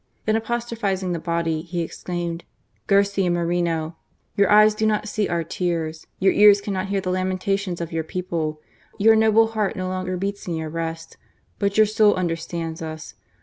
Then, apostrophizing the body, he exclaimed :" Garcia Moreno ! Your eyes do not see our tears ! Your ears cannot hear the lamentations of your people! Your noble heart no longer beats in your breast, but your soul understands us!